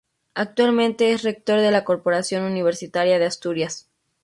Actualmente es Rector de la Corporación Universitaria de Asturias.